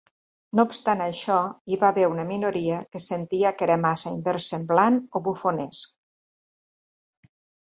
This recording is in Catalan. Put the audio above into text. No obstant això, hi va haver una minoria que sentia que era massa inversemblant o bufonesc.